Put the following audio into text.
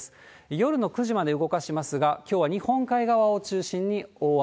夜の９時まで動かしますが、きょうは日本海側を中心に大雨。